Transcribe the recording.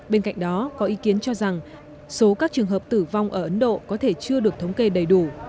bên cạnh đó có ý kiến cho rằng số các trường hợp tử vong ở ấn độ có thể chưa được thống kê đầy đủ